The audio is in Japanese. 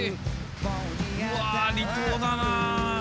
うわ離島だな。